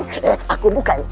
eh aku buka ini